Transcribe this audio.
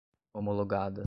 homologada